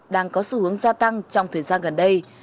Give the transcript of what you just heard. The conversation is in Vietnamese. đang có xu hướng gia tăng trong thời gian gần đây